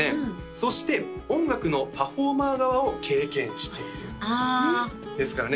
そして音楽のパフォーマー側を経験しているあですからね